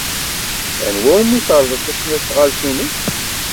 Anwa umi terḍel tasnasɣalt-nnes?